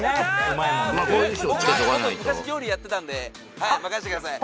僕前元昔料理やってたんではい任せてください